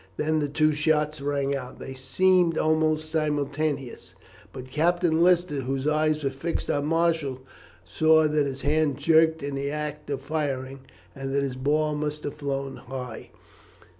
Then the two shots rang out. They seemed almost simultaneous; but Captain Lister, whose eyes were fixed on Marshall, saw that his hand jerked in the act of firing, and that his ball must have flown high.